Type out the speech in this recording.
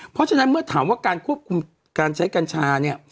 เพราะฉะนั้นเมื่อถามว่าการควบคุมการใช้กัญชาเนี่ย